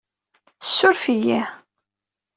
Ssuref-iyi.